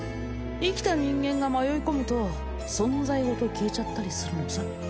生きた人間が迷い込むと存在ごと消えちゃったりするのさ